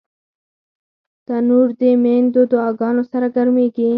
تنور د میندو دعاګانو سره ګرمېږي